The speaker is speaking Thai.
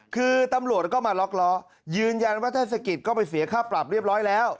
คือตำรวจก็มาล็อกล้อยืนยันว่าเทศกิจก็ไปเสียค่าปรับเรียบร้อยแล้ว